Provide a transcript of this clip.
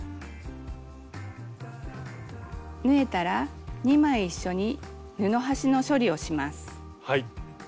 縫えたら２枚一緒に布端の処理をします。